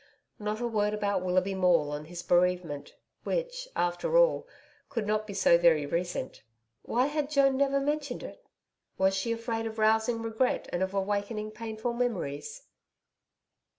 Not a word about Willoughby Maule and his bereavement which, after all, could not be so very recent. Why had Joan never mentioned it? Was she afraid of rousing regret and of awakening painful memories.